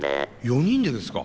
４人でですか？